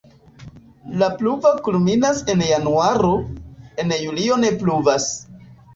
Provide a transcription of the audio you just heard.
La pluvo kulminas en januaro, en julio ne pluvas.